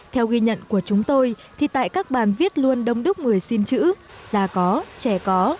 theo ghi nhận của chúng tôi thì tại các bàn viết luôn đông đúc người xin chữ già có trẻ có